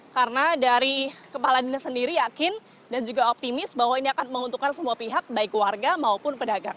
karena dari kepala dina sendiri yakin dan juga optimis bahwa ini akan menguntukkan semua pihak baik warga maupun pedagang